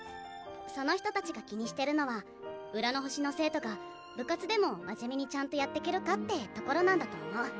その人たちが気にしてるのは浦の星の生徒が部活でも真面目にちゃんとやってけるかってところなんだと思う。